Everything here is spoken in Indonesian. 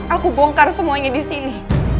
aku bongkar semuanya di sini